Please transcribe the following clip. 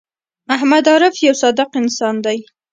محمد عارف یوه صادق انسان دی